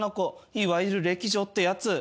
いわゆる歴女ってやつ。